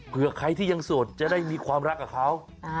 เพื่อใครที่ยังโสดจะได้มีความรักกับเขา